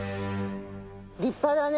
立派だね。